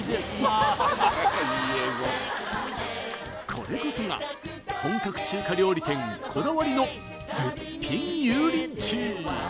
これこそが本格中華料理店こだわりの絶品油淋鶏！